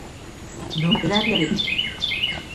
Doan da, edariarekin!